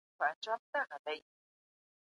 د غالب د دیوان خطي نسخه په کوم ځای کې وموندل سوه؟